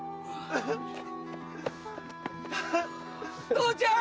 父ちゃん！